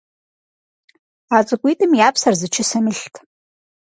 А цӏыкӏуитӏым я псэр зы чысэм илът.